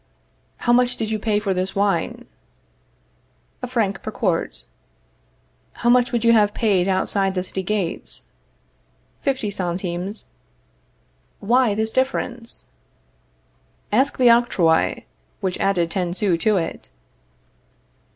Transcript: How much did you pay for this wine? A franc per quart. How much would you have paid outside the city gates? Fifty centimes. Why this difference? Ask the octroi which added ten sous to it.